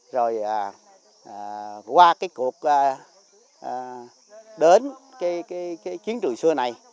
rồi qua cái cuộc đến cái chiến trường xưa này